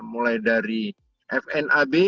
mulai dari fnab